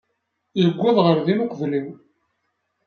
Yuweḍ ɣer din uqbel-iw.